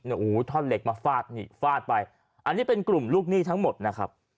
โอ้โหท่อนเหล็กมาฟาดนี่ฟาดไปอันนี้เป็นกลุ่มลูกหนี้ทั้งหมดนะครับ